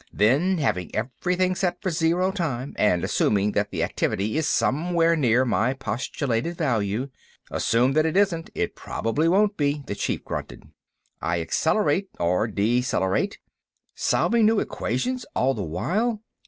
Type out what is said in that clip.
Then, having everything set for zero time, and assuming that the activity is somewhere near my postulated value...." "Assume that it isn't—it probably won't be," the Chief grunted. "I accelerate or decelerate—" "Solving new equations all the while?"